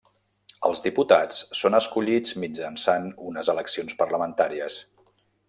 Els diputats són escollits mitjançant unes eleccions parlamentàries.